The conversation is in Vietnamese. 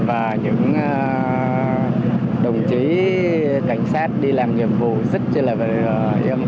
và những đồng chí cảnh sát đi làm nhiệm vụ rất là im